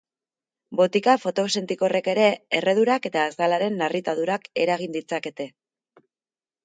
Botika fotosentikorrek ere erredurak eta azalaren narritadurak eragin ditzakete.